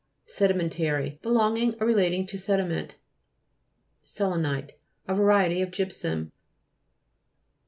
SEDIME'NTART Belonging or relat ing to sediment. SEL'ENITE A variety of gypsum.